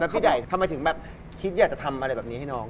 แล้วพี่ได่ทำไมถึงฮิตอยากจะทำอะไรแบบนี้ให้น้อง